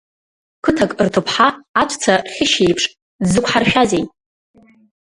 Қыҭак рҭыԥҳа, аҵәца хьышь еиԥш, дзықәҳаршәазеи!